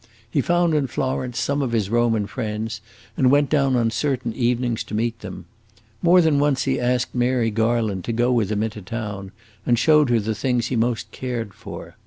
He found in Florence some of his Roman friends, and went down on certain evenings to meet them. More than once he asked Mary Garland to go with him into town, and showed her the things he most cared for.